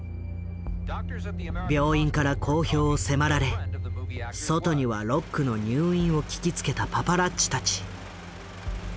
病院から公表を迫られ外にはロックの入院を聞きつけたパパラッチたち。